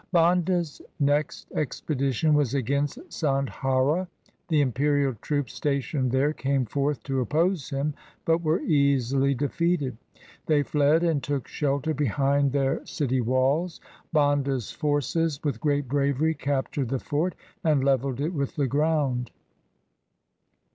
Banda's next expedition was against Sadhaura. The imperial troops stationed there came forth to oppose him, but were easily defeated. They fled and took shelter behind their city walls. Banda's forces with great bravery captured the fort, and levelled it with the ground.